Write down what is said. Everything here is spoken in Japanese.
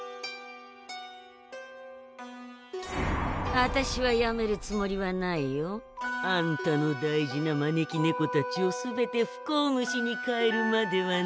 あたしはやめるつもりはないよ。あんたの大事な招き猫たちを全て不幸虫に変えるまではね！